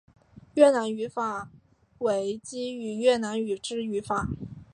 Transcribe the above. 越南语语法为基于越南语之语法。